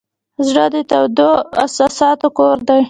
زړه د تودو احساساتو کور دی.